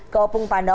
ke opung panda